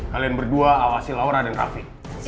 kalian berdua awasi laura dan rafi